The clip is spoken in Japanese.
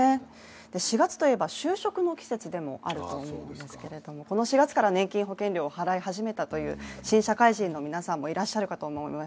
４月といえば就職の季節でもあると思うんですけど、この４月から年金保険料を払い始めたという新社会人の皆さんもいらっしゃると思います。